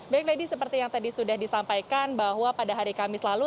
baik lady seperti yang tadi sudah disampaikan bahwa pada hari kamis lalu